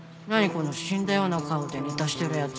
この死んだような顔でネタしてるヤツ。